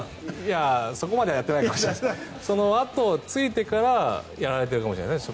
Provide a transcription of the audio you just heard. そこまではやってないと思いますが着いてからやられているかもしれないですね